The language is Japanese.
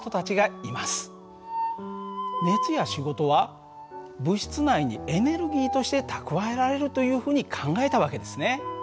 熱や仕事は物質内にエネルギーとして蓄えられるというふうに考えた訳ですね。